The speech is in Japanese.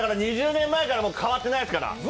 ２０年前から変わってないですから。